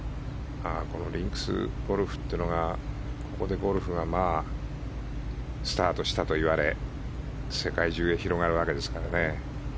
リンクスゴルフというのはここでゴルフがスタートしたといわれ世界中へ広がるわけですからね。